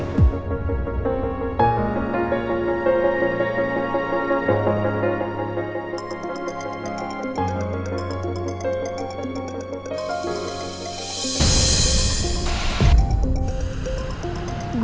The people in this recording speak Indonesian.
gue mau angkat telfon ibu